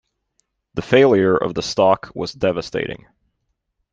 The failure of the stock was devastating.